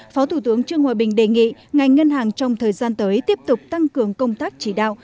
phó thủ tướng trương hòa bình đề nghị ngành ngân hàng trong thời gian tới tiếp tục tăng cường công tác chỉ đạo